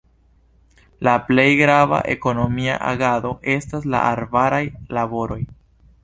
La plej grava ekonomia agado estas la arbaraj laboroj.